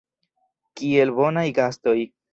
Kiel bonaj gastoj.